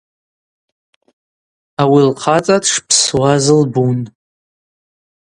Ауи лхъацӏа дшпсуаз лбун.